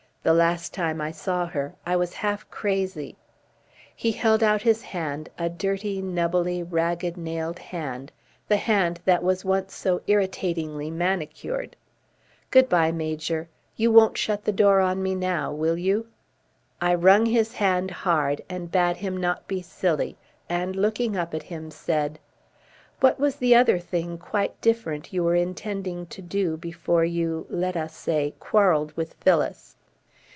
The last time I saw her I was half crazy." He held out his hand, a dirty, knubbly, ragged nailed hand the hand that was once so irritatingly manicured. "Good bye, Major. You won't shut the door on me now, will you?" I wrung his hand hard and bade him not be silly, and, looking up at him, said: "What was the other thing quite different you were intending to do before you, let us say, quarreled with Phyllis?"